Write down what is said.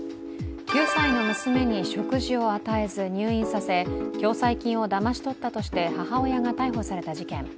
９歳の娘に食事を与えず入院させ、共済金をだまし取ったとして母親が逮捕された事件。